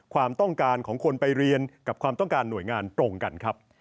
ความต้องการของคนไปเรียนกับความต้องการหน่วยงานตรงกันครับ